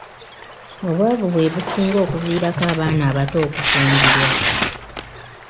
Obwavu bwe businga okuviirako abaana abato okufumbirwa.